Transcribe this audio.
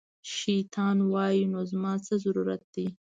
شیطان وایي، نو زما څه ضرورت دی